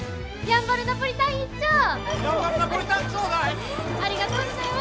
やんばるナポリタンください。